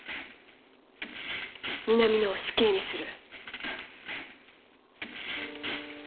南野を死刑にする。